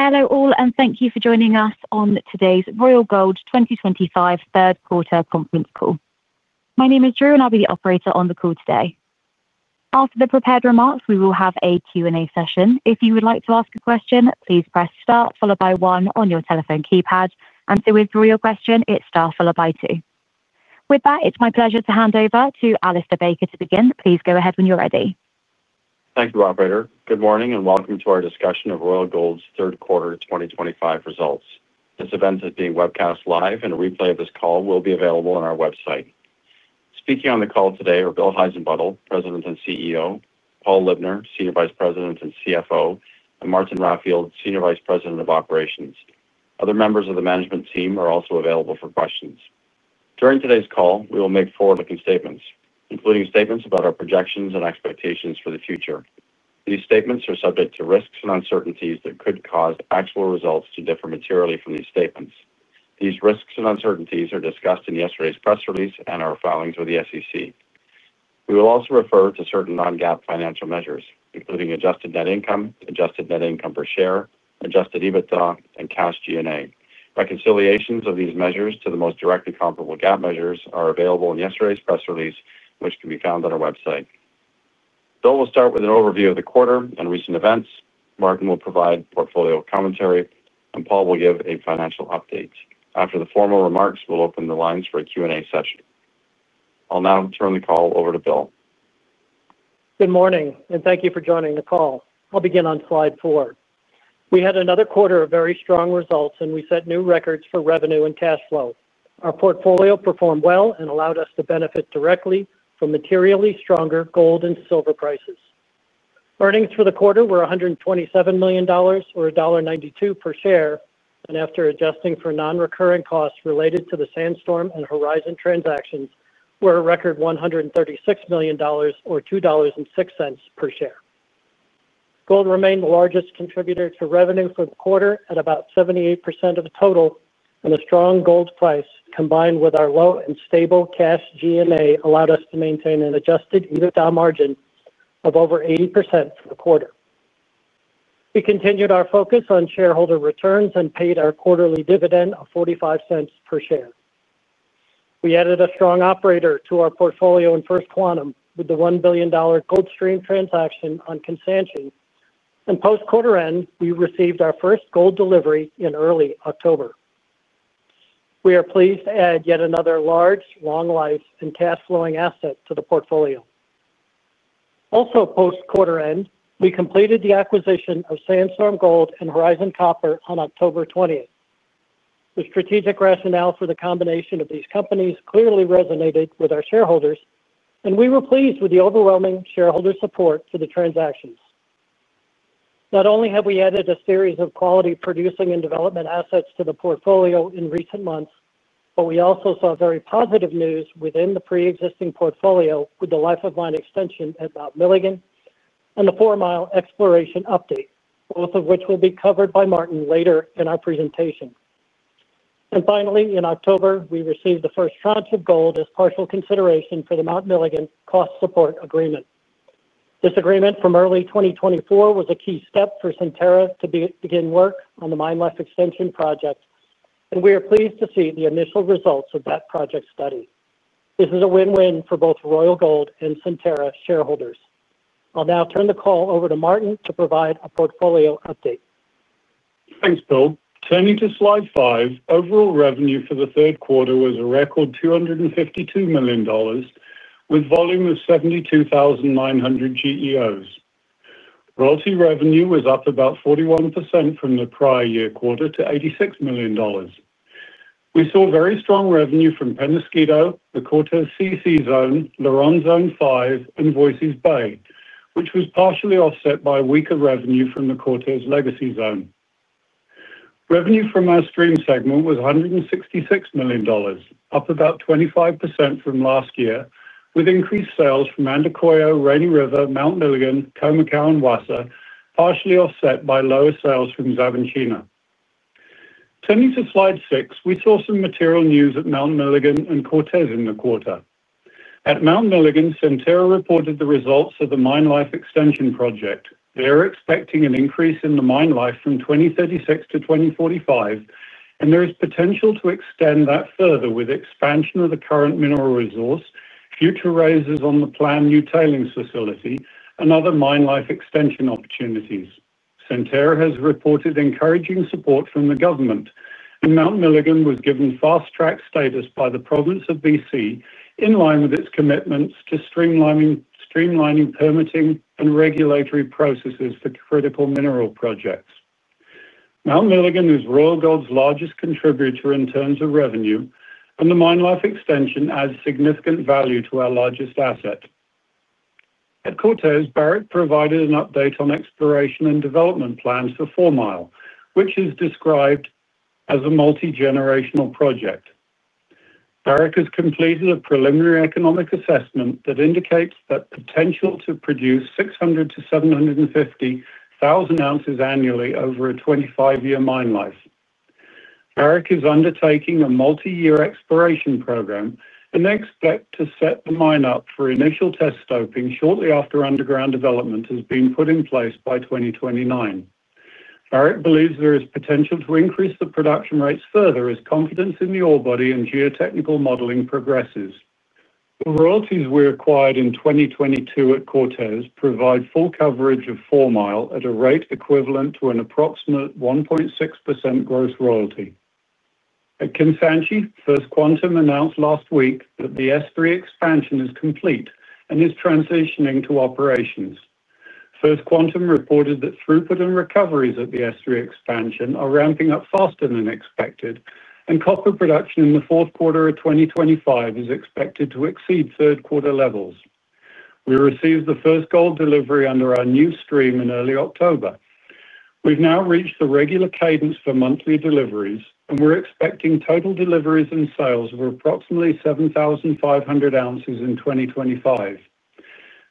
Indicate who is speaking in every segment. Speaker 1: Hello all, and thank you for joining us on today's Royal Gold 2025 third quarter conference call. My name is Drew, and I'll be the operator on the call today. After the prepared remarks, we will have a Q&A session. If you would like to ask a question, please press star followed by one on your telephone keypad, and to withdraw your question, it's star followed by two. With that, it's my pleasure to hand over to Alistair Baker to begin. Please go ahead when you're ready.
Speaker 2: Thank you, Operator. Good morning and welcome to our discussion of Royal Gold's third quarter 2025 results. This event is being webcast live, and a replay of this call will be available on our website. Speaking on the call today are Bill Heissenbuttel, President and CEO, Paul Libner, Senior Vice President and CFO, and Martin Raffield, Senior Vice President of Operations. Other members of the management team are also available for questions. During today's call, we will make forward-looking statements, including statements about our projections and expectations for the future. These statements are subject to risks and uncertainties that could cause actual results to differ materially from these statements. These risks and uncertainties are discussed in yesterday's press release and our filings with the SEC. We will also refer to certain non-GAAP financial measures, including adjusted net income, adjusted net income per share, adjusted EBITDA, and cash G&A. Reconciliations of these measures to the most directly comparable GAAP measures are available in yesterday's press release, which can be found on our website. Bill will start with an overview of the quarter and recent events. Martin will provide portfolio commentary, and Paul will give a financial update. After the formal remarks, we'll open the lines for a Q&A session. I'll now turn the call over to Bill.
Speaker 3: Good morning, and thank you for joining the call. I'll begin on slide four. We had another quarter of very strong results, and we set new records for revenue and cash flow. Our portfolio performed well and allowed us to benefit directly from materially stronger gold and silver prices. Earnings for the quarter were $127 million, or $1.92 per share, and after adjusting for non-recurring costs related to the Sandstorm and Horizon transactions, were a record $136 million, or $2.06 per share. Gold remained the largest contributor to revenue for the quarter at about 78% of the total, and the strong gold price, combined with our low and stable cash G&A, allowed us to maintain an adjusted EBITDA margin of over 80% for the quarter. We continued our focus on shareholder returns and paid our quarterly dividend of $0.45 per share. We added a strong operator to our portfolio in First Quantum with the $1 billion Goldstream transaction on Kansanshi, and post-quarter end, we received our first gold delivery in early October. We are pleased to add yet another large, long-life, and cash-flowing asset to the portfolio. Also, post-quarter end, we completed the acquisition of Sandstorm Gold and Horizon Copper on October 20. The strategic rationale for the combination of these companies clearly resonated with our shareholders, and we were pleased with the overwhelming shareholder support for the transactions. Not only have we added a series of quality producing and development assets to the portfolio in recent months, but we also saw very positive news within the pre-existing portfolio with the Life of Mine Extension at Mt. Milligan and the Four Mile Exploration Update, both of which will be covered by Martin later in our presentation. Finally, in October, we received the first tranche of gold as partial consideration for the Mt. Milligan cost support agreement. This agreement from early 2024 was a key step for Centerra to begin work on the Mine Life Extension project, and we are pleased to see the initial results of that project study. This is a win-win for both Royal Gold and Centerra shareholders. I'll now turn the call over to Martin to provide a portfolio update.
Speaker 4: Thanks, Bill. Turning to slide five, overall revenue for the third quarter was a record $252 million. With volume of 72,900 GEOs. Royalty revenue was up about 41% from the prior year quarter to $86 million. We saw very strong revenue from Peñasquito, the Cortez CC Zone, LaRonde Zone 5, and Voisey's Bay, which was partially offset by weaker revenue from the Cortez Legacy Zone. Revenue from our stream segment was $166 million, up about 25% from last year, with increased sales from Andacollo, Rainy River, Mt. Milligan, Khoemacau, and Wassa, partially offset by lower sales from Xavantina. Turning to slide six, we saw some material news at Mt. Milligan and Cortez in the quarter. At Mt. Milligan, Centerra reported the results of the Mine Life Extension project. They are expecting an increase in the mine life from 2036-2045, and there is potential to extend that further with expansion of the current mineral resource, future raises on the planned new tailings facility, and other mine life extension opportunities. Centerra has reported encouraging support from the government. Mt. Milligan was given fast-track status by the province of British Columbia in line with its commitments to streamlining permitting and regulatory processes for critical mineral projects. Mt. Milligan is Royal Gold's largest contributor in terms of revenue, and the mine life extension adds significant value to our largest asset. At Cortez, Barrick provided an update on exploration and development plans for Four Mile, which is described as a multi-generational project. Barrick has completed a preliminary economic assessment that indicates the potential to produce 600,000-750,000 ounces annually over a 25-year mine life. Barrick is undertaking a multi-year exploration program and they expect to set the mine up for initial test stoping shortly after underground development has been put in place by 2029. Barrick believes there is potential to increase the production rates further as confidence in the ore body and geotechnical modeling progresses. The royalties we acquired in 2022 at Cortez provide full coverage of Four Mile at a rate equivalent to an approximate 1.6% gross royalty. At Kansanshi, First Quantum announced last week that the S3 expansion is complete and is transitioning to operations. First Quantum reported that throughput and recoveries at the S3 expansion are ramping up faster than expected, and copper production in the fourth quarter of 2025 is expected to exceed third quarter levels. We received the first gold delivery under our new stream in early October. We've now reached the regular cadence for monthly deliveries, and we're expecting total deliveries and sales of approximately 7,500 ounces in 2025.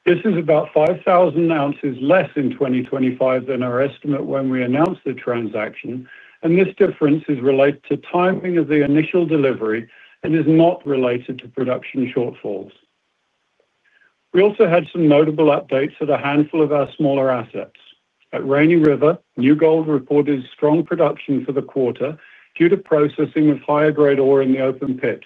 Speaker 4: This is about 5,000 ounces less in 2025 than our estimate when we announced the transaction, and this difference is related to timing of the initial delivery and is not related to production shortfalls. We also had some notable updates at a handful of our smaller assets. At Rainy River, New Gold reported strong production for the quarter due to processing with higher-grade ore in the open pit.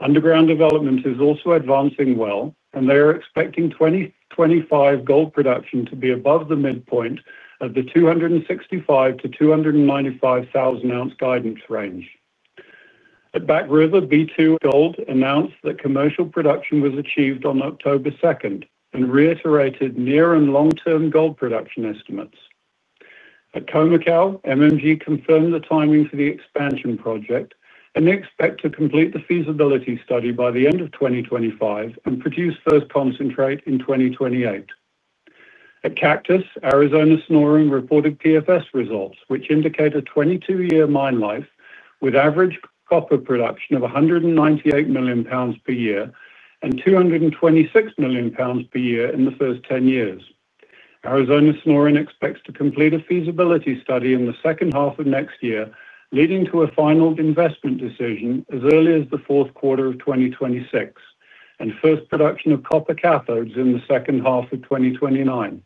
Speaker 4: Underground development is also advancing well, and they are expecting 2025 gold production to be above the midpoint at the 265,000-295,000 ounce guidance range. At Back River, B2Gold announced that commercial production was achieved on October 2 and reiterated near and long-term gold production estimates. At Khoemacau, MMG confirmed the timing for the expansion project and they expect to complete the feasibility study by the end of 2025 and produce first concentrate in 2028. At Cactus, Arizona Sonoran reported PFS results, which indicate a 22-year mine life with average copper production of 198 million pounds per year and 226 million pounds per year in the first 10 years. Arizona Sonoran expects to complete a feasibility study in the second half of next year, leading to a final investment decision as early as the fourth quarter of 2026 and first production of copper cathodes in the second half of 2029.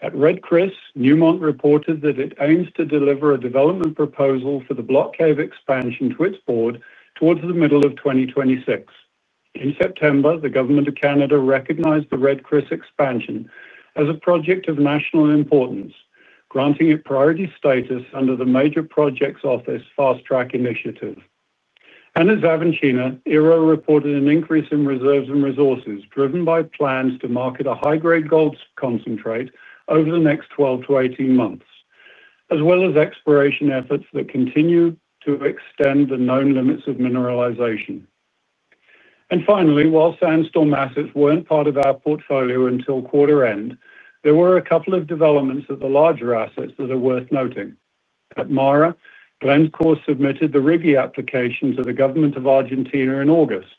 Speaker 4: At Red Chris, Newmont reported that it aims to deliver a development proposal for the Block Cave expansion to its board towards the middle of 2026. In September, the Government of Canada recognized the Red Chris expansion as a project of national importance, granting it priority status under the Major Projects Office Fast Track Initiative. At Xavantina, Ero reported an increase in reserves and resources driven by plans to market a high-grade gold concentrate over the next 12-18 months, as well as exploration efforts that continue to extend the known limits of mineralization. Finally, while Sandstorm assets were not part of our portfolio until quarter end, there were a couple of developments at the larger assets that are worth noting. At MARA, Glencore submitted the Righi application to the Government of Argentina in August,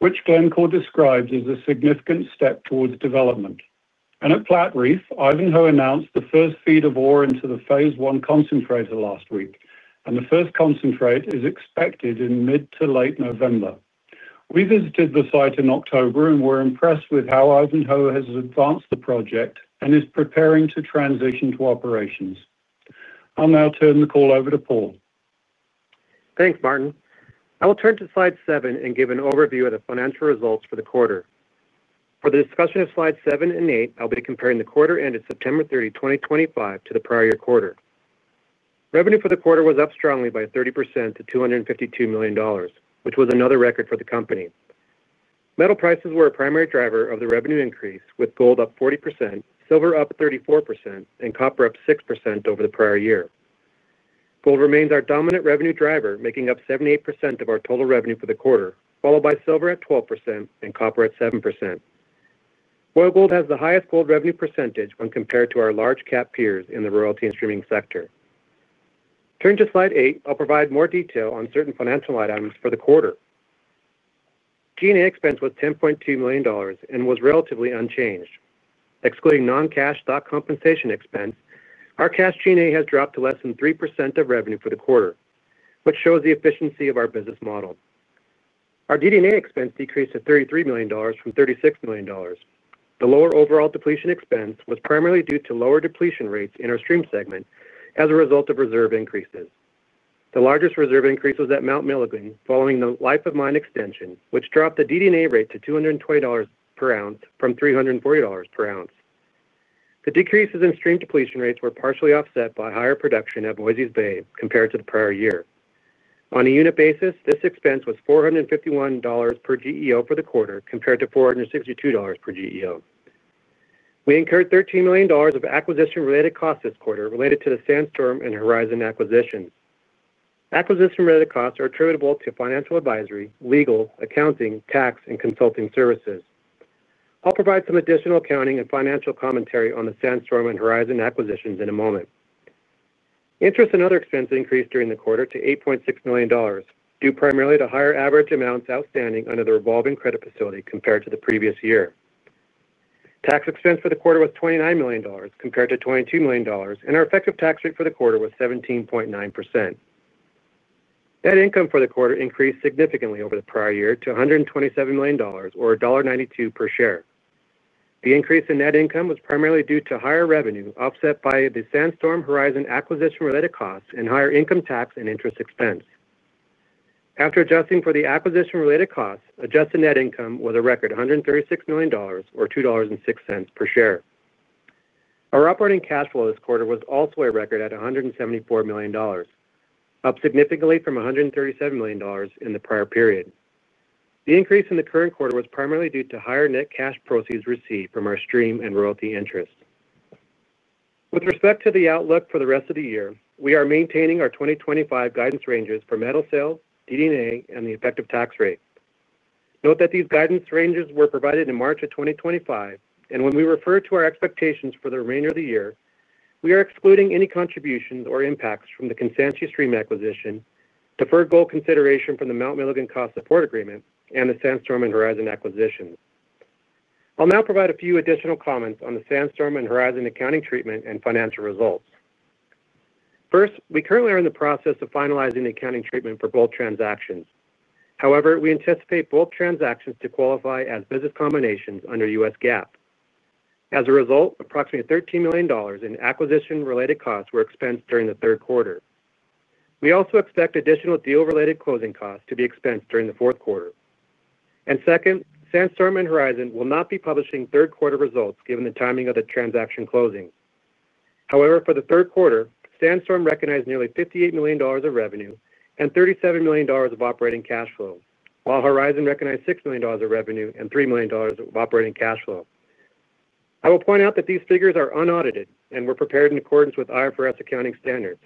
Speaker 4: which Glencore describes as a significant step towards development. At Platreef, Ivanhoe announced the first feed of ore into the phase one concentrator last week, and the first concentrate is expected in mid to late November. We visited the site in October and were impressed with how Ivanhoe has advanced the project and is preparing to transition to operations. I'll now turn the call over to Paul.
Speaker 5: Thanks, Martin. I will turn to slide seven and give an overview of the financial results for the quarter. For the discussion of slides seven and eight, I'll be comparing the quarter ended September 30, 2025, to the prior year quarter. Revenue for the quarter was up strongly by 30% to $252 million, which was another record for the company. Metal prices were a primary driver of the revenue increase, with gold up 40%, silver up 34%, and copper up 6% over the prior year. Gold remains our dominant revenue driver, making up 78% of our total revenue for the quarter, followed by silver at 12% and copper at 7%. Royal Gold has the highest gold revenue percentage when compared to our large-cap peers in the royalty and streaming sector. Turning to slide eight, I'll provide more detail on certain financial items for the quarter. G&A expense was $10.2 million and was relatively unchanged. Excluding non-cash stock compensation expense, our cash G&A has dropped to less than 3% of revenue for the quarter, which shows the efficiency of our business model. Our DD&A expense decreased to $33 million from $36 million. The lower overall depletion expense was primarily due to lower depletion rates in our stream segment as a result of reserve increases. The largest reserve increase was at Mt. Milligan following the Life of Mine Extension, which dropped the DD&A rate to $220 per ounce from $340 per ounce. The decreases in stream depletion rates were partially offset by higher production at Voisey's Bay compared to the prior year. On a unit basis, this expense was $451 per GEO for the quarter compared to $462 per GEO. We incurred $13 million of acquisition-related costs this quarter related to the Sandstorm and Horizon acquisitions. Acquisition-related costs are attributable to financial advisory, legal, accounting, tax, and consulting services. I'll provide some additional accounting and financial commentary on the Sandstorm and Horizon acquisitions in a moment. Interest and other expenses increased during the quarter to $8.6 million, due primarily to higher average amounts outstanding under the revolving credit facility compared to the previous year. Tax expense for the quarter was $29 million compared to $22 million, and our effective tax rate for the quarter was 17.9%. Net income for the quarter increased significantly over the prior year to $127 million, or $1.92 per share. The increase in net income was primarily due to higher revenue offset by the Sandstorm, Horizon acquisition-related costs, and higher income tax and interest expense. After adjusting for the acquisition-related costs, adjusted net income was a record $136 million, or $2.06 per share. Our operating cash flow this quarter was also a record at $174 million, up significantly from $137 million in the prior period. The increase in the current quarter was primarily due to higher net cash proceeds received from our stream and royalty interest. With respect to the outlook for the rest of the year, we are maintaining our 2025 guidance ranges for metal sales, DD&A, and the effective tax rate. Note that these guidance ranges were provided in March of 2025, and when we refer to our expectations for the remainder of the year, we are excluding any contributions or impacts from the Kansanshi stream acquisition, deferred gold consideration from the Mt. Milligan cost support agreement, and the Sandstorm and Horizon acquisitions. I'll now provide a few additional comments on the Sandstorm and Horizon accounting treatment and financial results. First, we currently are in the process of finalizing the accounting treatment for both transactions. However, we anticipate both transactions to qualify as business combinations under US GAAP. As a result, approximately $13 million in acquisition-related costs were expensed during the third quarter. We also expect additional deal-related closing costs to be expensed during the fourth quarter. Second, Sandstorm and Horizon will not be publishing third quarter results given the timing of the transaction closing. However, for the third quarter, Sandstorm recognized nearly $58 million of revenue and $37 million of operating cash flow, while Horizon recognized $6 million of revenue and $3 million of operating cash flow. I will point out that these figures are unaudited and were prepared in accordance with IFRS accounting standards,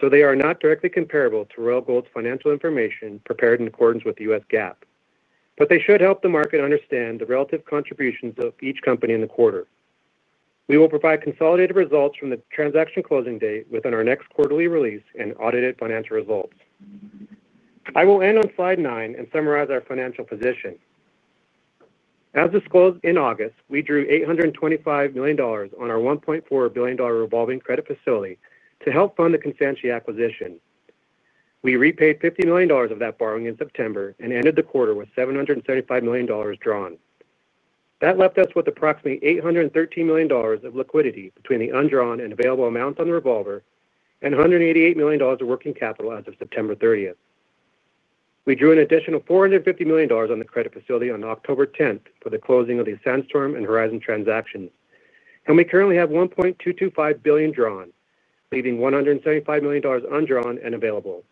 Speaker 5: so they are not directly comparable to Royal Gold's financial information prepared in accordance with US GAAP, but they should help the market understand the relative contributions of each company in the quarter. We will provide consolidated results from the transaction closing date within our next quarterly release and audited financial results. I will end on slide nine and summarize our financial position. As disclosed in August, we drew $825 million on our $1.4 billion revolving credit facility to help fund the Kansanshi acquisition. We repaid $50 million of that borrowing in September and ended the quarter with $775 million drawn. That left us with approximately $813 million of liquidity between the undrawn and available amounts on the revolver and $188 million of working capital as of September 30th. We drew an additional $450 million on the credit facility on October 10th for the closing of the Sandstorm and Horizon transactions, and we currently have $1.225 billion drawn, leaving $175 million undrawn and available.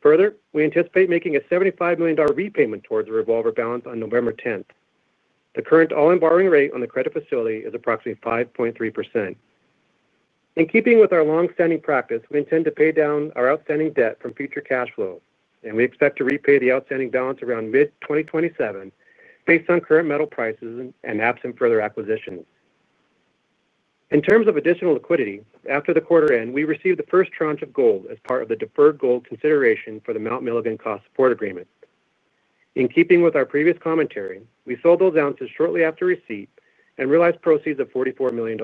Speaker 5: Further, we anticipate making a $75 million repayment towards the revolver balance on November 10th. The current all-in borrowing rate on the credit facility is approximately 5.3%. In keeping with our longstanding practice, we intend to pay down our outstanding debt from future cash flow, and we expect to repay the outstanding balance around mid-2027 based on current metal prices and absent further acquisitions. In terms of additional liquidity, after the quarter end, we received the first tranche of gold as part of the deferred gold consideration for the Mt. Milligan cost support agreement. In keeping with our previous commentary, we sold those ounces shortly after receipt and realized proceeds of $44 million.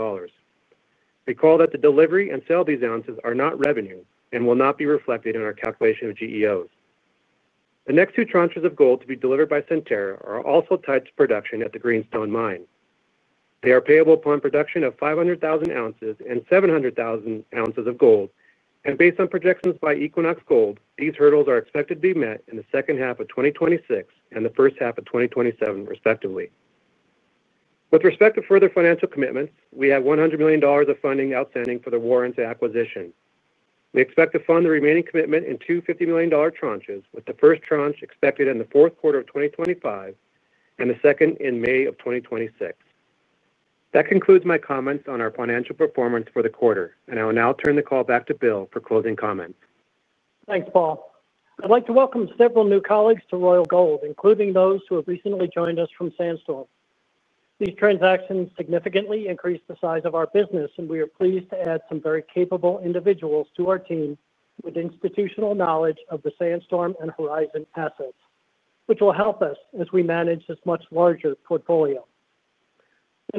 Speaker 5: Recall that the delivery and sale of these ounces are not revenue and will not be reflected in our calculation of GEOs. The next two tranches of gold to be delivered by Centerra are also tied to production at the Greenstone Mine. They are payable upon production of 500,000 ounces and 700,000 ounces of gold, and based on projections by Equinox Gold, these hurdles are expected to be met in the second half of 2026 and the first half of 2027, respectively. With respect to further financial commitments, we have $100 million of funding outstanding for the warrant acquisition. We expect to fund the remaining commitment in two $50 million tranches, with the first tranche expected in the fourth quarter of 2025 and the second in May of 2026. That concludes my comments on our financial performance for the quarter, and I will now turn the call back to Bill for closing comments.
Speaker 3: Thanks, Paul. I'd like to welcome several new colleagues to Royal Gold, including those who have recently joined us from Sandstorm. These transactions significantly increased the size of our business, and we are pleased to add some very capable individuals to our team with institutional knowledge of the Sandstorm and Horizon assets, which will help us as we manage this much larger portfolio.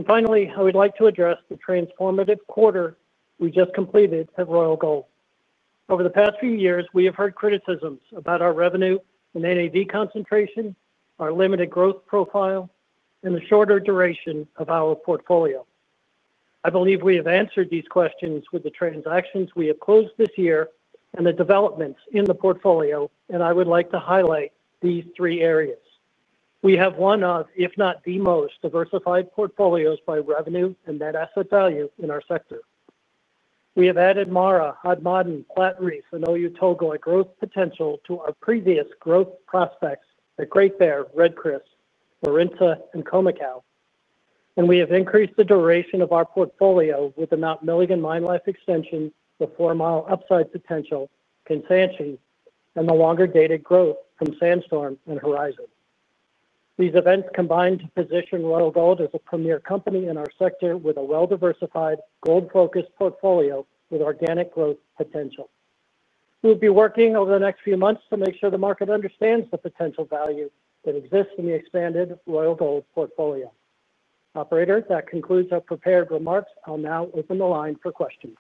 Speaker 3: Finally, I would like to address the transformative quarter we just completed at Royal Gold. Over the past few years, we have heard criticisms about our revenue and NAV concentration, our limited growth profile, and the shorter duration of our portfolio. I believe we have answered these questions with the transactions we have closed this year and the developments in the portfolio, and I would like to highlight these three areas. We have one of, if not the most diversified portfolios by revenue and net asset value in our sector. We have added MARA, Hod Maden, Platreef, and Oyu Tolgoi as growth potential to our previous growth prospects at Great Bear, Red Chris, Warintza, and Khoemacau, and we have increased the duration of our portfolio with the Mt. Milligan Mine Life Extension, the Four Mile upside potential, Kansanshi, and the longer-dated growth from Sandstorm and Horizon. These events combined to position Royal Gold as a premier company in our sector with a well-diversified, gold-focused portfolio with organic growth potential. We will be working over the next few months to make sure the market understands the potential value that exists in the expanded Royal Gold portfolio. Operator, that concludes our prepared remarks. I'll now open the line for questions.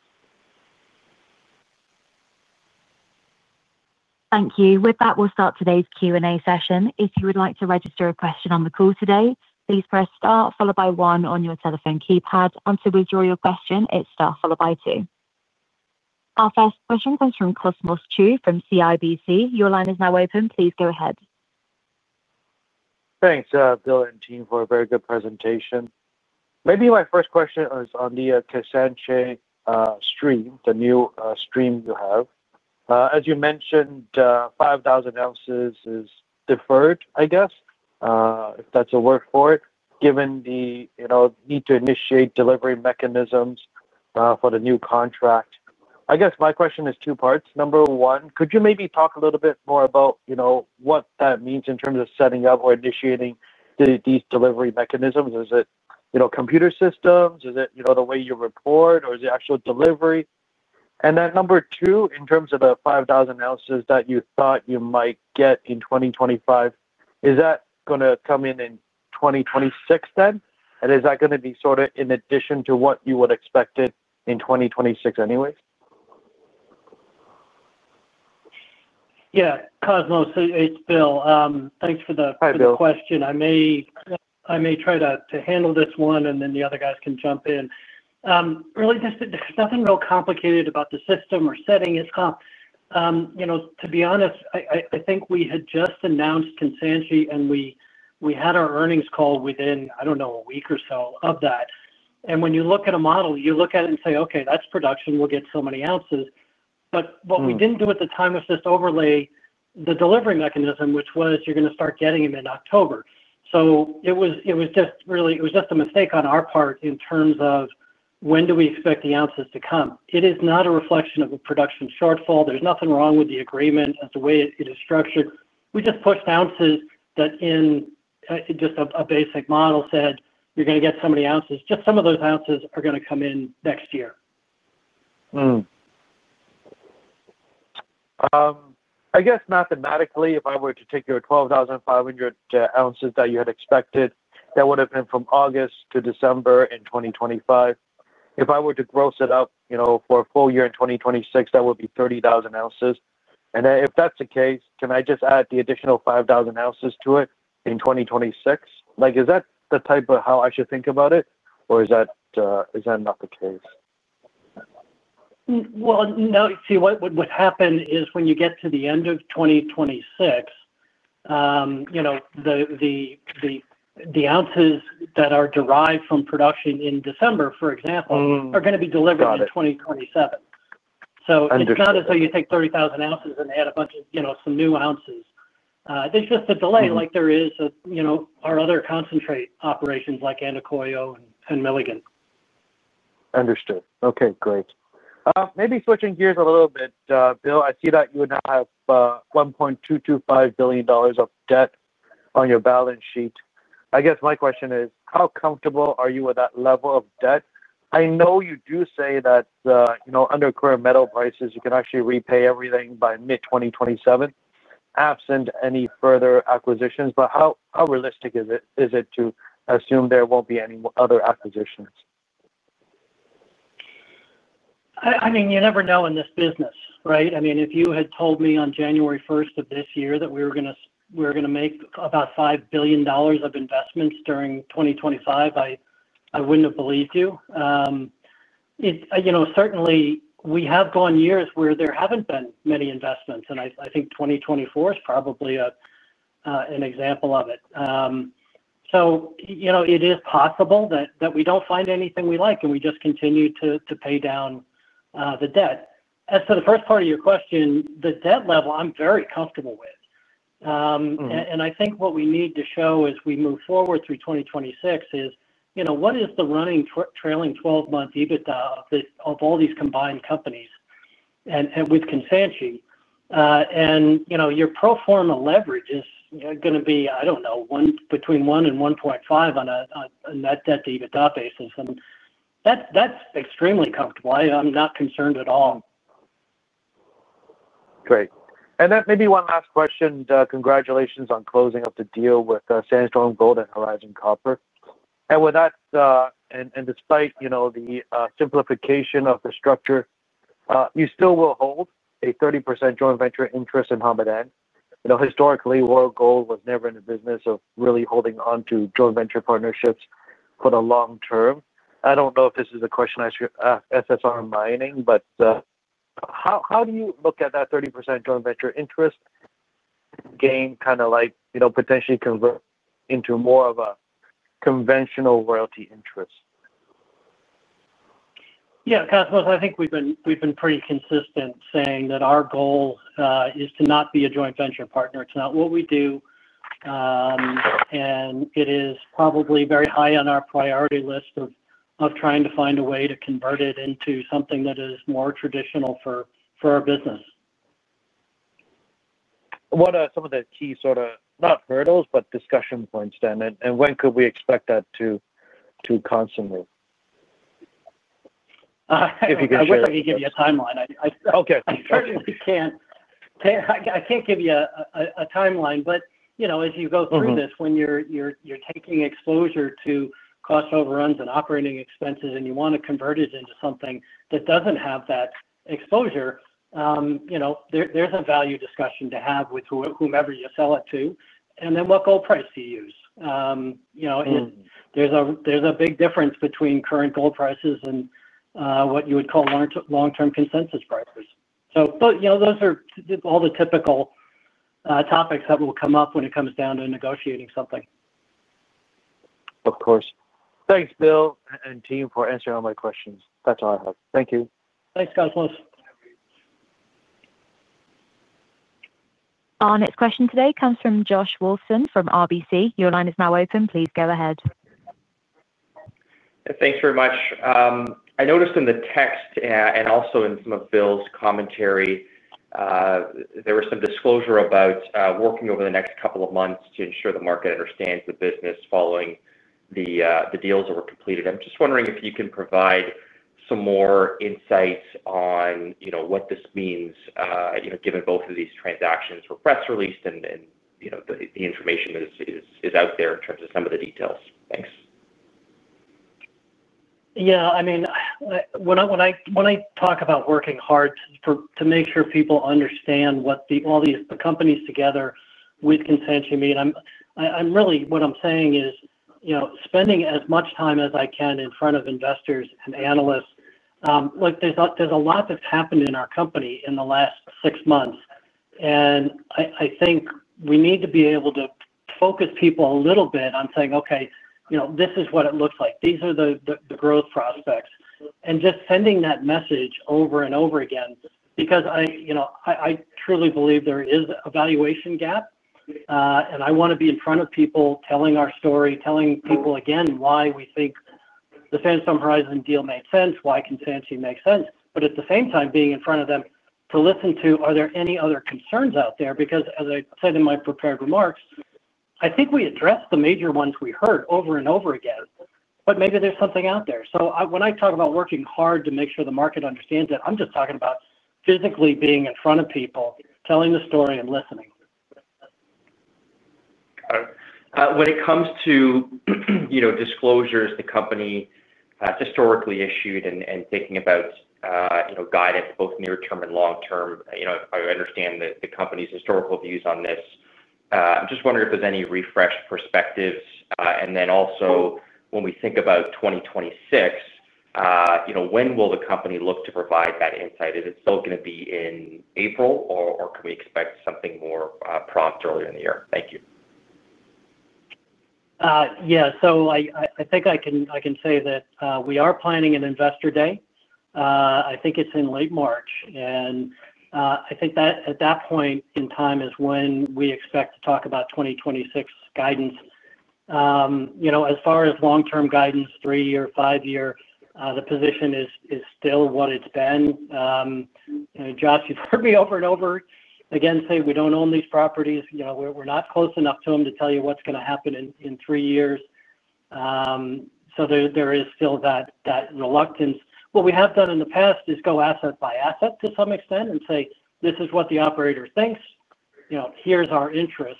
Speaker 1: Thank you. With that, we'll start today's Q&A session. If you would like to register a question on the call today, please press star, followed by one on your telephone keypad. Until we draw your question, it's star, followed by two. Our first question comes from Cosmos Chiu from CIBC. Your line is now open. Please go ahead.
Speaker 6: Thanks, Bill and team, for a very good presentation. Maybe my first question is on the Kansanshi stream, the new stream you have. As you mentioned, 5,000 ounces is deferred, I guess. If that's a word for it, given the need to initiate delivery mechanisms for the new contract. I guess my question is two parts. Number one, could you maybe talk a little bit more about what that means in terms of setting up or initiating these delivery mechanisms? Is it computer systems? Is it the way you report, or is it actual delivery? Number two, in terms of the 5,000 ounces that you thought you might get in 2025, is that going to come in in 2026 then? Is that going to be sort of in addition to what you would expect in 2026 anyways?
Speaker 3: Yeah, Cosmos, it's Bill. Thanks for the question. I may try to handle this one, and then the other guys can jump in. Really, there's nothing real complicated about the system or setting it up. To be honest, I think we had just announced Kansanshi, and we had our earnings call within, I don't know, a week or so of that. When you look at a model, you look at it and say, "Okay, that's production. We'll get so many ounces." What we didn't do at the time was just overlay the delivery mechanism, which was you're going to start getting them in October. It was just really a mistake on our part in terms of when do we expect the ounces to come. It is not a reflection of a production shortfall. There's nothing wrong with the agreement as to the way it is structured. We just pushed ounces that in just a basic model said, "You're going to get so many ounces." Just some of those ounces are going to come in next year.
Speaker 6: I guess mathematically, if I were to take your 12,500 ounces that you had expected, that would have been from August to December in 2025. If I were to gross it up for a full year in 2026, that would be 30,000 ounces. If that's the case, can I just add the additional 5,000 ounces to it in 2026? Is that the type of how I should think about it, or is that not the case?
Speaker 3: No. See, what would happen is when you get to the end of 2026. The ounces that are derived from production in December, for example, are going to be delivered in 2027. So it is not as though you take 30,000 ounces and add a bunch of some new ounces. There is just a delay like there is at our other concentrate operations like Andacollo and Milligan.
Speaker 6: Understood. Okay, great. Maybe switching gears a little bit, Bill, I see that you would now have $1.225 billion of debt on your balance sheet. I guess my question is, how comfortable are you with that level of debt? I know you do say that under current metal prices, you can actually repay everything by mid-2027. Absent any further acquisitions, but how realistic is it to assume there will not be any other acquisitions?
Speaker 3: I mean, you never know in this business, right? I mean, if you had told me on January 1st of this year that we were going to make about $5 billion of investments during 2025, I would not have believed you. Certainly, we have gone years where there have not been many investments, and I think 2024 is probably an example of it. It is possible that we do not find anything we like and we just continue to pay down the debt. As to the first part of your question, the debt level, I am very comfortable with. I think what we need to show as we move forward through 2026 is what is the running, trailing 12-month EBITDA of all these combined companies and with Kansanshi. Your pro forma leverage is going to be, I do not know, between 1 and 1.5 on a net debt to EBITDA basis. That's extremely comfortable. I'm not concerned at all.
Speaker 6: Great. Maybe one last question. Congratulations on closing up the deal with Sandstorm Gold and Horizon Copper. Despite the simplification of the structure, you still will hold a 30% joint venture interest in Hamedan. Historically, Royal Gold was never in the business of really holding onto joint venture partnerships for the long term. I do not know if this is a question I should ask SSR Mining, but how do you look at that 30% joint venture interest? Again, kind of like potentially convert into more of a conventional royalty interest?
Speaker 3: Yeah, Cosmos, I think we've been pretty consistent saying that our goal is to not be a joint venture partner. It's not what we do. It is probably very high on our priority list of trying to find a way to convert it into something that is more traditional for our business.
Speaker 6: What are some of the key sort of, not hurdles, but discussion points then? When could we expect that to, constantly?
Speaker 3: I wish I could give you a timeline. I certainly can't. I can't give you a timeline, but as you go through this, when you're taking exposure to cost overruns and operating expenses and you want to convert it into something that doesn't have that exposure, there's a value discussion to have with whomever you sell it to. Then what gold price do you use? There's a big difference between current gold prices and what you would call long-term consensus prices. Those are all the typical topics that will come up when it comes down to negotiating something.
Speaker 6: Of course. Thanks, Bill and team, for answering all my questions. That's all I have. Thank you.
Speaker 3: Thanks, Cosmos.
Speaker 1: Our next question today comes from Josh Wolfson from RBC. Your line is now open. Please go ahead.
Speaker 7: Thanks very much. I noticed in the text and also in some of Bill's commentary, there was some disclosure about working over the next couple of months to ensure the market understands the business following the deals that were completed. I'm just wondering if you can provide some more insights on what this means. Given both of these transactions were press-released and the information is out there in terms of some of the details. Thanks.
Speaker 3: Yeah, I mean, when I talk about working hard to make sure people understand what all these companies together with Kansanshi mean, what I'm saying is spending as much time as I can in front of investors and analysts. There's a lot that's happened in our company in the last six months. I think we need to be able to focus people a little bit on saying, "Okay, this is what it looks like. These are the growth prospects." Just sending that message over and over again, because I truly believe there is a valuation gap. I want to be in front of people telling our story, telling people again why we think the Sandstorm Horizon deal made sense, why Kansanshi makes sense. At the same time, being in front of them to listen to, "Are there any other concerns out there?" Because, as I said in my prepared remarks, I think we addressed the major ones we heard over and over again, but maybe there's something out there. When I talk about working hard to make sure the market understands it, I'm just talking about physically being in front of people, telling the story, and listening.
Speaker 7: Got it. When it comes to disclosures, the company has historically issued, and thinking about guidance, both near-term and long-term, I understand the company's historical views on this. I'm just wondering if there's any refreshed perspectives. Also, when we think about 2026, when will the company look to provide that insight? Is it still going to be in April, or can we expect something more prompt earlier in the year? Thank you.
Speaker 3: Yeah, so I think I can say that we are planning an investor day. I think it's in late March. I think at that point in time is when we expect to talk about 2026 guidance. As far as long-term guidance, three-year, five-year, the position is still what it's been. Josh, you've heard me over and over again say we don't own these properties. We're not close enough to them to tell you what's going to happen in three years. There is still that reluctance. What we have done in the past is go asset by asset to some extent and say, "This is what the operator thinks. Here's our interest."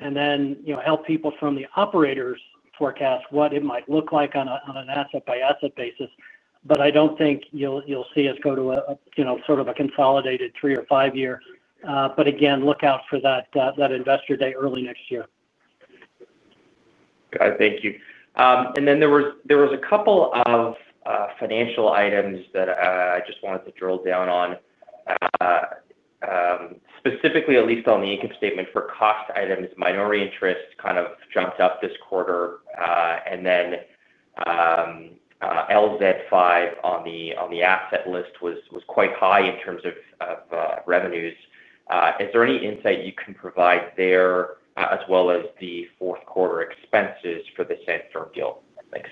Speaker 3: Then help people from the operators forecast what it might look like on an asset-by-asset basis. I don't think you'll see us go to sort of a consolidated three or five-year. Again, look out for that investor day early next year.
Speaker 7: Got it. Thank you. There was a couple of financial items that I just wanted to drill down on. Specifically, at least on the income statement for cost items, minority interest kind of jumped up this quarter. LZ5 on the asset list was quite high in terms of revenues. Is there any insight you can provide there as well as the fourth-quarter expenses for the Sandstorm deal? Thanks.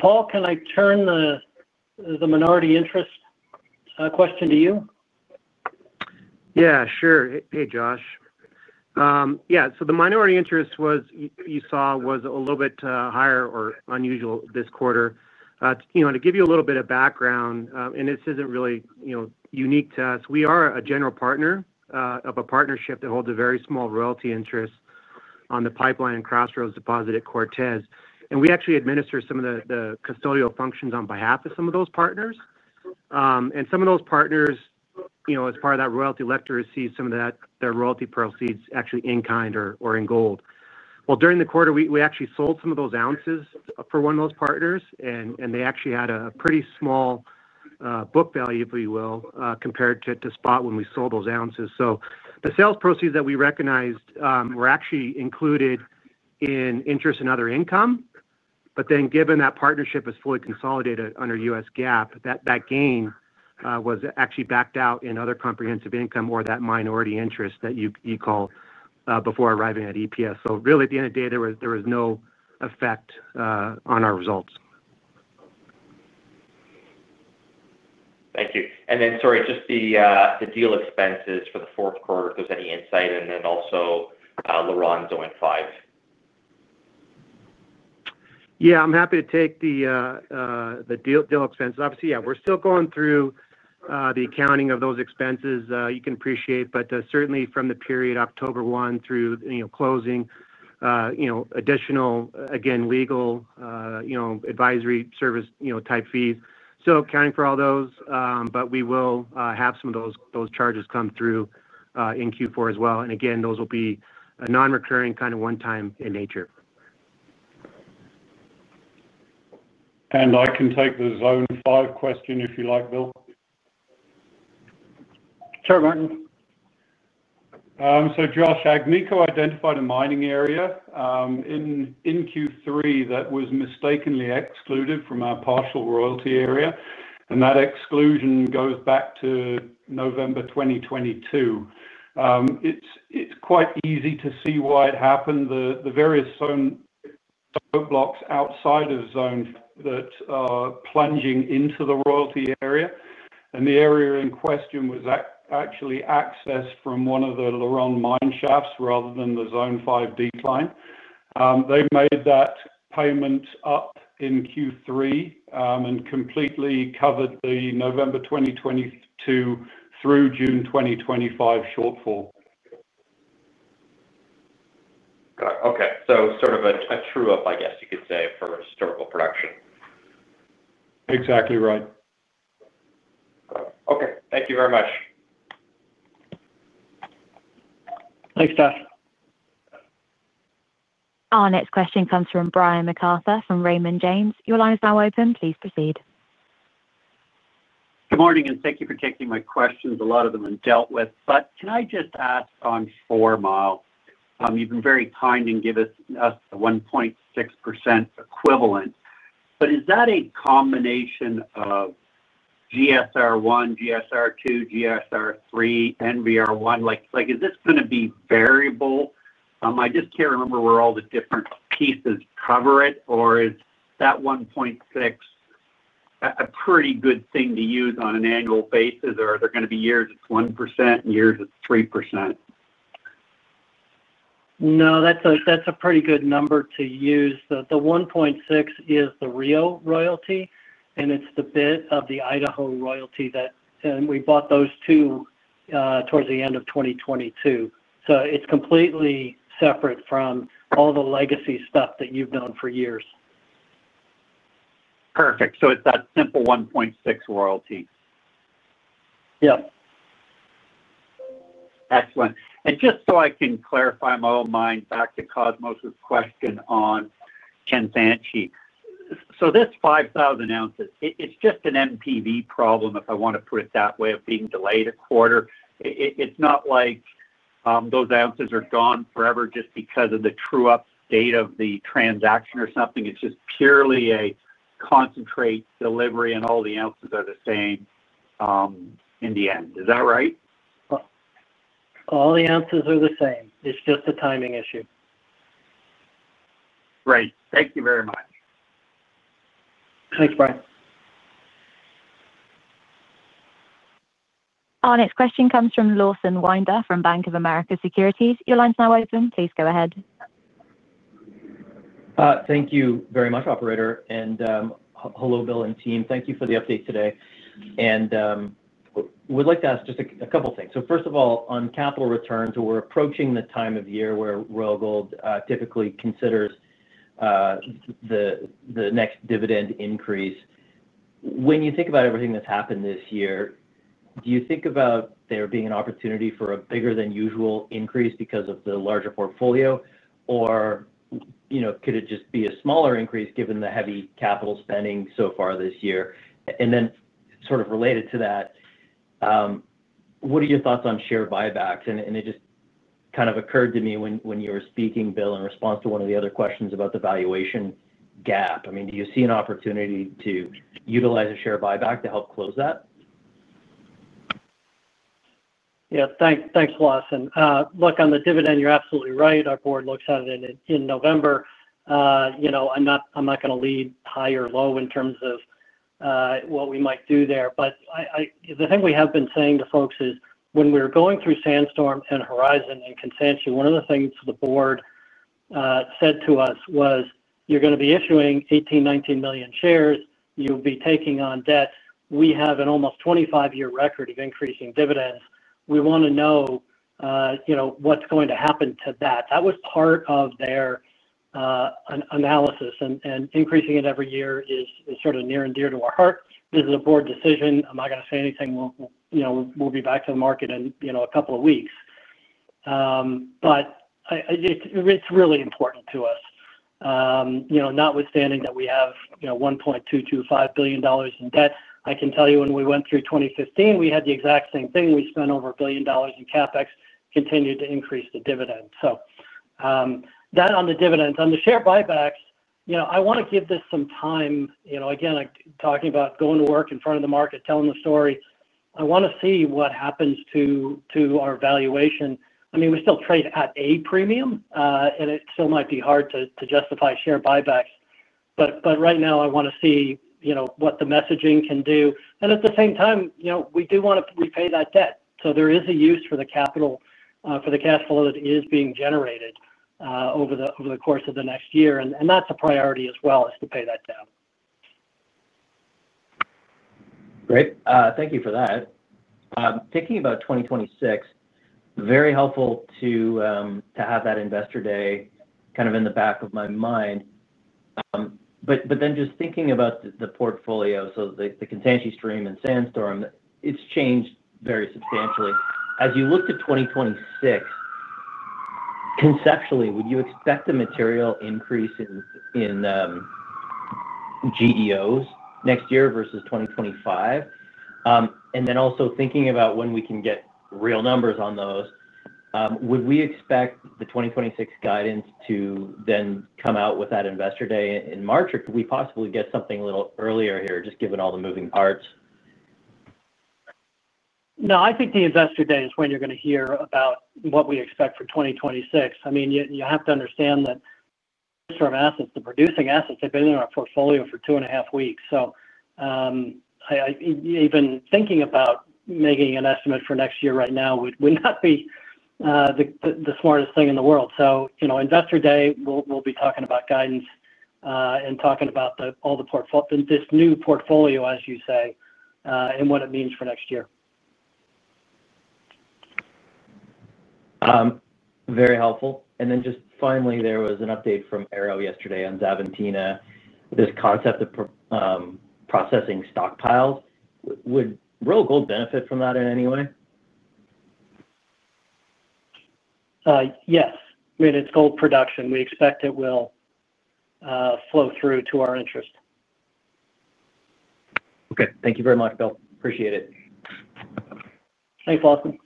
Speaker 3: Paul, can I turn the minority interest question to you?
Speaker 5: Yeah, sure. Hey, Josh. Yeah, so the minority interest you saw was a little bit higher or unusual this quarter. To give you a little bit of background, and this isn't really unique to us, we are a general partner of a partnership that holds a very small royalty interest on the Pipeline and Crossroads Deposit at Cortez. We actually administer some of the custodial functions on behalf of some of those partners. Some of those partners, as part of that royalty structure, receive some of their royalty proceeds actually in kind or in gold. During the quarter, we actually sold some of those ounces for one of those partners, and they actually had a pretty small book value, if you will, compared to spot when we sold those ounces. The sales proceeds that we recognized were actually included in interest and other income. Then, given that partnership is fully consolidated under US GAAP, that gain was actually backed out in other comprehensive income or that minority interest that you call. Before arriving at EPS. So really, at the end of the day, there was no effect on our results.
Speaker 7: Thank you. Sorry, just the deal expenses for the fourth quarter, if there's any insight, and then also Lorenzo and Five.
Speaker 5: Yeah, I'm happy to take the deal expenses. Obviously, yeah, we're still going through the accounting of those expenses you can appreciate, but certainly from the period October 1 through closing. Additional, again, legal advisory service type fees. So accounting for all those, but we will have some of those charges come through in Q4 as well. Again, those will be non-recurring, kind of one-time in nature.
Speaker 4: I can take the Zone 5 question if you like, Bill.
Speaker 3: Sure, Martin.
Speaker 4: Josh, Agnico identified a mining area in Q3 that was mistakenly excluded from our partial royalty area. That exclusion goes back to November 2022. It is quite easy to see why it happened. The various zone blocks outside of zone that are plunging into the royalty area, and the area in question was actually accessed from one of the LaRonde mine shafts rather than the zone five decline line. They made that payment up in Q3 and completely covered the November 2022 through June 2025 shortfall.
Speaker 7: Got it. Okay. So sort of a true-up, I guess you could say, for historical production.
Speaker 4: Exactly right.
Speaker 7: Okay. Thank you very much.
Speaker 3: Thanks, Josh.
Speaker 1: Our next question comes from Brian MacArthur from Raymond James. Your line is now open. Please proceed.
Speaker 8: Good morning, and thank you for taking my questions. A lot of them have been dealt with. Can I just ask on Four Mile? You've been very kind and given us the 1.6% equivalent. Is that a combination of GSR1, GSR2, GSR3, NVR1? Is this going to be variable? I just can't remember where all the different pieces cover it, or is that 1.6% a pretty good thing to use on an annual basis, or are there going to be years it's 1% and years it's 3%?
Speaker 3: No, that's a pretty good number to use. The 1.6 is the real royalty, and it's the bit of the Idaho royalty that we bought those two towards the end of 2022. So it's completely separate from all the legacy stuff that you've done for years.
Speaker 8: Perfect. So it's that simple 1.6% royalty.
Speaker 3: Yep.
Speaker 8: Excellent. Just so I can clarify my own mind back to Cosmos's question on Kansanshi. This 5,000 ounces, it's just an MPV problem, if I want to put it that way, of being delayed a quarter. It's not like those ounces are gone forever just because of the true-up date of the transaction or something. It's just purely a concentrate delivery, and all the ounces are the same in the end. Is that right?
Speaker 3: All the ounces are the same. It's just a timing issue.
Speaker 8: Great. Thank you very much.
Speaker 3: Thanks, Brian.
Speaker 1: Our next question comes from Lawson Winder from Bank of America Securities. Your line's now open. Please go ahead.
Speaker 9: Thank you very much, Operator. Hello, Bill and team. Thank you for the update today. We'd like to ask just a couple of things. First of all, on capital returns, we're approaching the time of year where Royal Gold typically considers the next dividend increase. When you think about everything that's happened this year, do you think about there being an opportunity for a bigger-than-usual increase because of the larger portfolio, or could it just be a smaller increase given the heavy capital spending so far this year? Sort of related to that, what are your thoughts on share buybacks? It just kind of occurred to me when you were speaking, Bill, in response to one of the other questions about the valuation gap. I mean, do you see an opportunity to utilize a share buyback to help close that?
Speaker 3: Yeah, thanks, Lawson. Look, on the dividend, you're absolutely right. Our board looks at it in November. I'm not going to lead high or low in terms of what we might do there. The thing we have been saying to folks is when we were going through Sandstorm and Horizon and Kansanshi, one of the things the board said to us was, "You're going to be issuing 18 million-19 million shares. You'll be taking on debt. We have an almost 25-year record of increasing dividends. We want to know what's going to happen to that." That was part of their analysis. Increasing it every year is sort of near and dear to our heart. This is a board decision. I'm not going to say anything. We'll be back to the market in a couple of weeks. It's really important to us. Notwithstanding that we have $1.225 billion in debt, I can tell you when we went through 2015, we had the exact same thing. We spent over $1 billion in CapEx, continued to increase the dividend. That on the dividends. On the share buybacks, I want to give this some time. Again, talking about going to work in front of the market, telling the story, I want to see what happens to our valuation. I mean, we still trade at a premium, and it still might be hard to justify share buybacks. Right now, I want to see what the messaging can do. At the same time, we do want to repay that debt. There is a use for the capital, for the cash flow that is being generated over the course of the next year. That's a priority as well, is to pay that down.
Speaker 9: Great. Thank you for that. Thinking about 2026. Very helpful to have that investor day kind of in the back of my mind. Just thinking about the portfolio, so the Kansanshi stream and Sandstorm, it's changed very substantially. As you look to 2026, conceptually, would you expect a material increase in GEOs next year versus 2025? Also, thinking about when we can get real numbers on those, would we expect the 2026 guidance to then come out with that investor day in March, or could we possibly get something a little earlier here, just given all the moving parts?
Speaker 3: No, I think the investor day is when you're going to hear about what we expect for 2026. I mean, you have to understand that assets, the producing assets, have been in our portfolio for two and a half weeks. Even thinking about making an estimate for next year right now would not be the smartest thing in the world. Investor day, we'll be talking about guidance and talking about all the, this new portfolio, as you say, and what it means for next year.
Speaker 9: Very helpful. And then just finally, there was an update from Ero yesterday on Xavantina, this concept of processing stockpiles. Would Royal Gold benefit from that in any way?
Speaker 3: Yes. I mean, it's gold production. We expect it will flow through to our interest.
Speaker 9: Okay. Thank you very much, Bill. Appreciate it.
Speaker 3: Thanks, Lawson.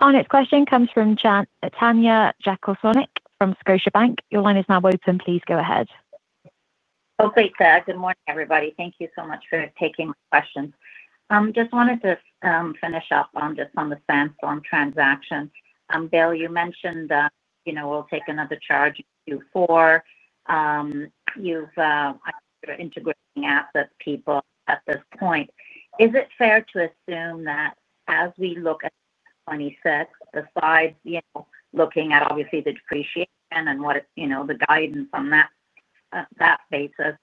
Speaker 1: Our next question comes from Tanya Jakusconek from Scotiabank. Your line is now open. Please go ahead.
Speaker 10: Oh, great, Brad. Good morning, everybody. Thank you so much for taking my questions. Just wanted to finish up on just on the Sandstorm transaction. Bill, you mentioned that we'll take another charge in Q4. You've integrating assets, people at this point. Is it fair to assume that as we look at 2026, besides looking at obviously the depreciation and the guidance on that basis,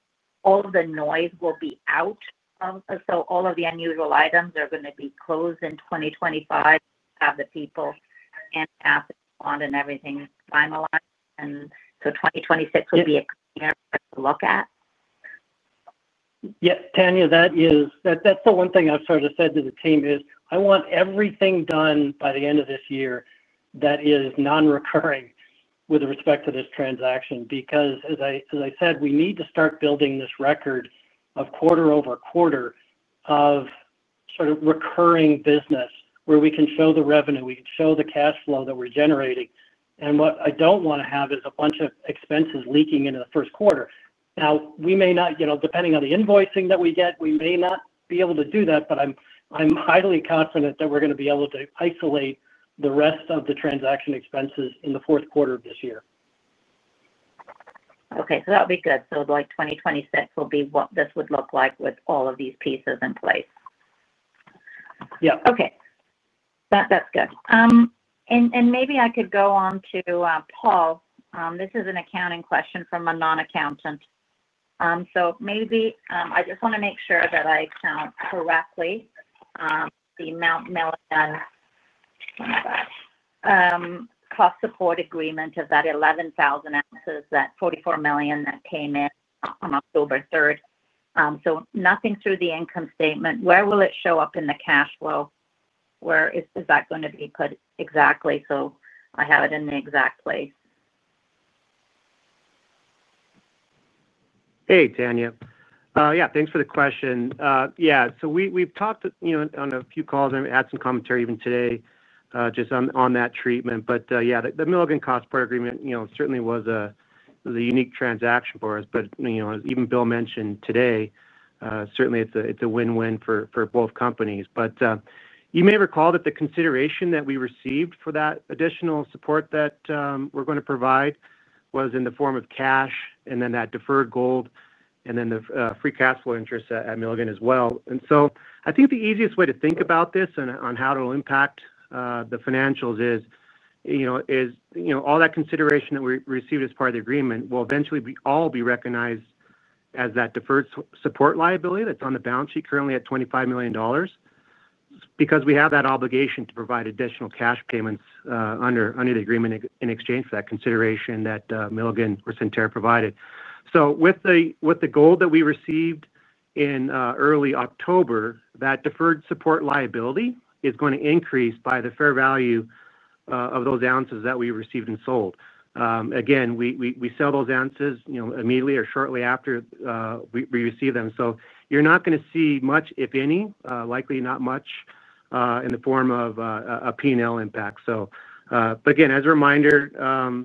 Speaker 10: all of the noise will be out of, so all of the unusual items are going to be closed in 2025, have the people and assets on and everything finalized. And so 2026 would be a clearer look at?
Speaker 3: Yeah, Tanya, that's the one thing I've sort of said to the team is I want everything done by the end of this year that is non-recurring with respect to this transaction because, as I said, we need to start building this record of quarter-over-quarter of sort of recurring business where we can show the revenue, we can show the cash flow that we're generating. What I don't want to have is a bunch of expenses leaking into the first quarter. Now, we may not, depending on the invoicing that we get, we may not be able to do that, but I'm highly confident that we're going to be able to isolate the rest of the transaction expenses in the fourth quarter of this year.
Speaker 10: Okay. That'll be good. Like 2026 will be what this would look like with all of these pieces in place.
Speaker 3: Yeah.
Speaker 10: Okay. That's good. Maybe I could go on to Paul. This is an accounting question from a non-accountant. I just want to make sure that I count correctly. The amount million. One of that. Cost support agreement of that 11,000 ounces, that $44 million that came in on October 3rd. Nothing through the income statement. Where will it show up in the cash flow? Where is that going to be put exactly so I have it in the exact place?
Speaker 5: Hey, Tanya. Yeah, thanks for the question. Yeah. We've talked on a few calls and added some commentary even today just on that treatment. Yeah, the Milligan cost support agreement certainly was a unique transaction for us. As even Bill mentioned today, certainly it's a win-win for both companies. You may recall that the consideration that we received for that additional support that we're going to provide was in the form of cash and then that deferred gold and then the free cash flow interest at Milligan as well. I think the easiest way to think about this and on how it'll impact the financials is all that consideration that we received as part of the agreement will eventually all be recognized as that deferred support liability that's on the balance sheet currently at $25 million. Because we have that obligation to provide additional cash payments under the agreement in exchange for that consideration that Mt. Milligan or Centerra provided. With the gold that we received in early October, that deferred support liability is going to increase by the fair value of those ounces that we received and sold. Again, we sell those ounces immediately or shortly after we receive them. You are not going to see much, if any, likely not much in the form of a P&L impact. Again, as a reminder,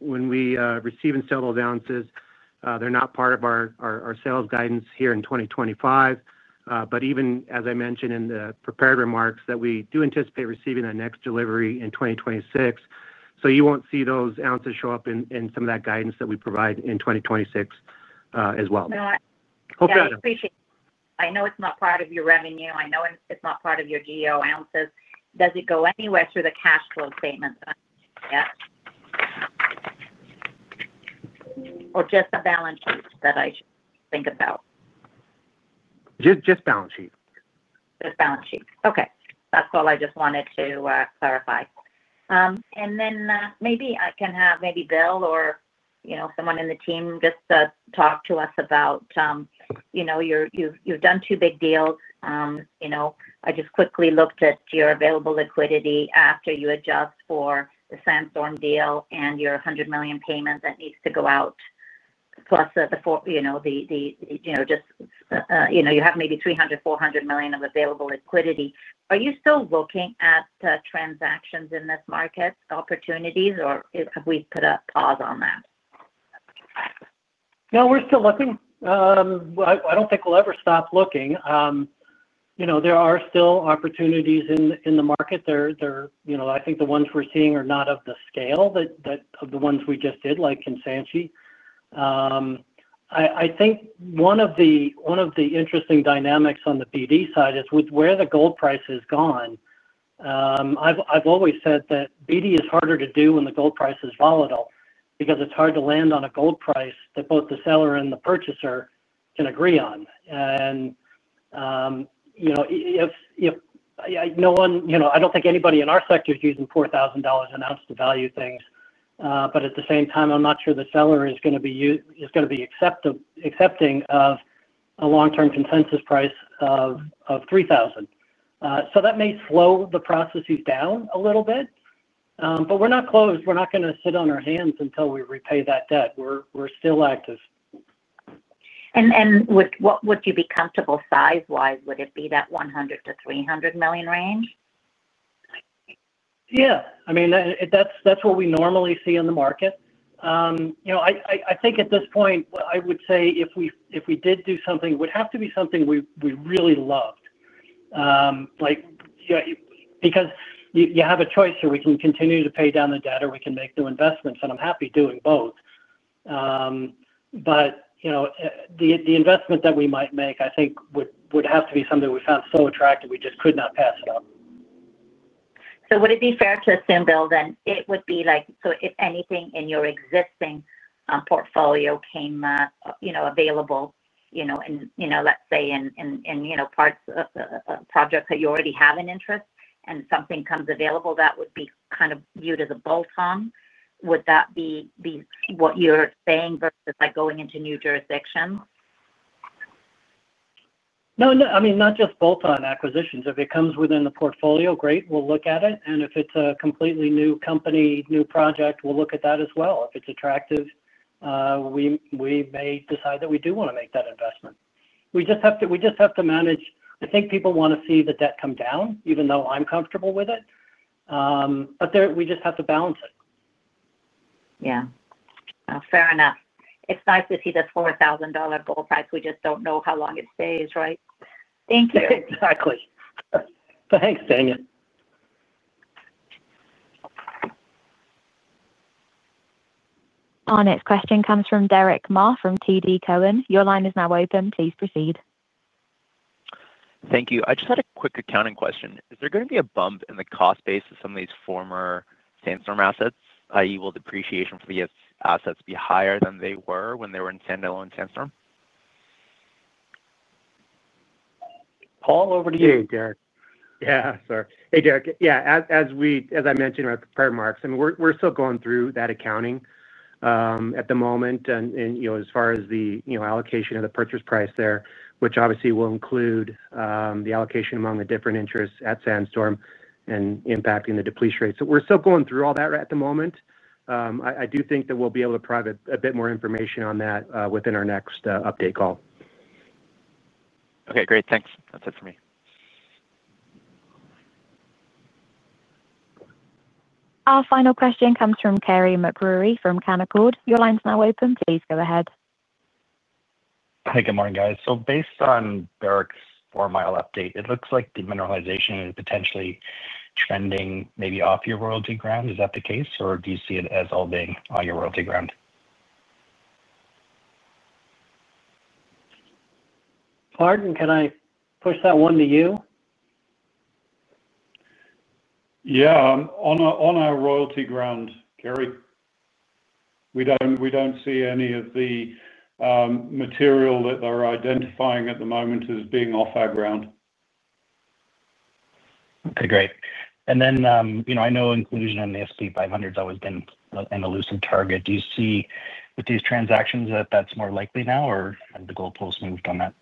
Speaker 5: when we receive and sell those ounces, they are not part of our sales guidance here in 2025. Even, as I mentioned in the prepared remarks, we do anticipate receiving that next delivery in 2026. You will not see those ounces show up in some of that guidance that we provide in 2026 as well.
Speaker 10: I appreciate it. I know it's not part of your revenue. I know it's not part of your GEO ounces. Does it go anywhere through the cash flow statement? Yeah. Or just the balance sheet that I should think about?
Speaker 5: Just balance sheet.
Speaker 10: Just balance sheet. Okay. That's all I just wanted to clarify. Maybe I can have maybe Bill or someone in the team just talk to us about, you've done two big deals. I just quickly looked at your available liquidity after you adjust for the Sandstorm deal and your $100 million payment that needs to go out. Plus, just, you have maybe $300 million-$400 million of available liquidity. Are you still looking at transactions in this market, opportunities, or have we put a pause on that?
Speaker 3: No, we're still looking. I don't think we'll ever stop looking. There are still opportunities in the market. I think the ones we're seeing are not of the scale of the ones we just did, like Kansanshi. I think one of the interesting dynamics on the BD side is with where the gold price has gone. I've always said that BD is harder to do when the gold price is volatile because it's hard to land on a gold price that both the seller and the purchaser can agree on. If no one, I don't think anybody in our sector is using $4,000 an ounce to value things. At the same time, I'm not sure the seller is going to be accepting of a long-term consensus price of $3,000. That may slow the processes down a little bit. We're not closed. We're not going to sit on our hands until we repay that debt. We're still active.
Speaker 10: Would you be comfortable size-wise? Would it be that $100 million-$300 million range?
Speaker 3: Yeah. I mean, that's what we normally see in the market. I think at this point, I would say if we did do something, it would have to be something we really loved. Because you have a choice here. We can continue to pay down the debt or we can make new investments. I'm happy doing both. The investment that we might make, I think, would have to be something we found so attractive we just could not pass it up.
Speaker 10: Would it be fair to assume, Bill, then it would be like if anything in your existing portfolio came available. Let's say in parts of projects that you already have an interest and something comes available, that would be kind of viewed as a bolt-on. Would that be what you're saying versus going into new jurisdictions?
Speaker 3: No, I mean, not just bolt-on acquisitions. If it comes within the portfolio, great, we'll look at it. If it's a completely new company, new project, we'll look at that as well. If it's attractive, we may decide that we do want to make that investment. We just have to manage. I think people want to see the debt come down, even though I'm comfortable with it. We just have to balance it.
Speaker 10: Yeah. Fair enough. It's nice to see the $4,000 gold price. We just don't know how long it stays, right? Thank you.
Speaker 3: Exactly. Thanks, Tanya.
Speaker 1: Our next question comes from Derick Ma from TD Cowen. Your line is now open. Please proceed.
Speaker 11: Thank you. I just had a quick accounting question. Is there going to be a bump in the cost base of some of these former Sandstorm assets, i.e., will depreciation for these assets be higher than they were when they were in standalone Sandstorm?
Speaker 3: Paul, over to you, Derick.
Speaker 5: Yeah, sure. Hey, Derick. Yeah, as I mentioned in our prepared remarks, I mean, we're still going through that accounting at the moment. As far as the allocation of the purchase price there, which obviously will include the allocation among the different interests at Sandstorm and impacting the depreciation. We're still going through all that at the moment. I do think that we'll be able to provide a bit more information on that within our next update call.
Speaker 11: Okay. Great. Thanks. That's it for me.
Speaker 1: Our final question comes from Carey MacRury from Canaccord. Your line's now open. Please go ahead.
Speaker 12: Hi, good morning, guys. Based on Derick's Four Mile update, it looks like demineralization is potentially trending maybe off your royalty ground. Is that the case, or do you see it as all being on your royalty ground?
Speaker 3: Pardon, can I push that one to you?
Speaker 4: Yeah. On our royalty ground, Carey. We do not see any of the material that they are identifying at the moment as being off our ground.
Speaker 12: Okay, great. I know inclusion on the S&P 500 has always been an elusive target. Do you see with these transactions that that's more likely now, or have the goalposts moved on that?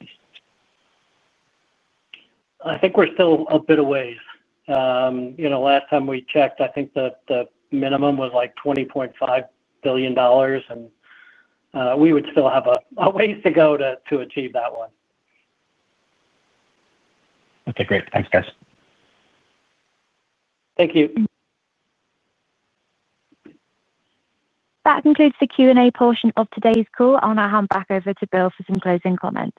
Speaker 3: I think we're still a bit a ways. Last time we checked, I think the minimum was like $20.5 billion, and we would still have a ways to go to achieve that one.
Speaker 12: Okay, great. Thanks, guys.
Speaker 3: Thank you.
Speaker 1: That concludes the Q&A portion of today's call. I'll now hand back over to Bill for some closing comments.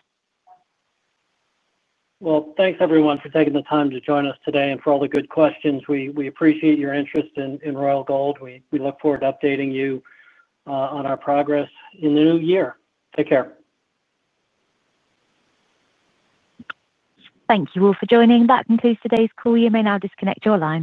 Speaker 3: Thanks, everyone, for taking the time to join us today and for all the good questions. We appreciate your interest in Royal Gold. We look forward to updating you on our progress in the new year. Take care.
Speaker 1: Thank you all for joining. That concludes today's call. You may now disconnect your line.